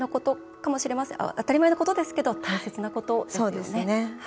当たり前のことですけど大切なことですよね。